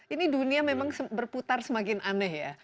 ini dunia memang berputar semakin aneh ya